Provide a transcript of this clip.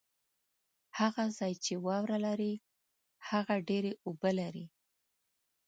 هغه ځای چې واوره لري ، هغه ډېري اوبه لري